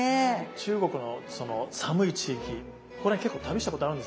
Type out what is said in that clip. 中国のその寒い地域結構旅したことあるんですよ。